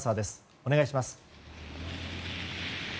お願いします。